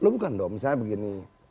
bukan dong misalnya begini